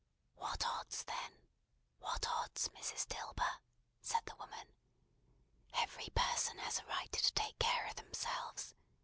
"What odds then! What odds, Mrs. Dilber?" said the woman. "Every person has a right to take care of themselves.